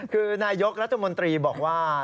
คือนายกรัฐมนตรีบอกว่า